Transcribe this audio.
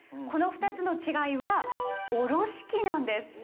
この２つの違いはおろし器なんです。